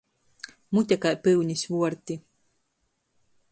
Mute kai pyunis vuorti.